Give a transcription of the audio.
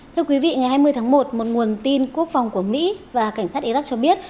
thưa quý vị ngày hai mươi tháng một một nguồn tin quốc phòng của mỹ và cảnh sát iraq cho biết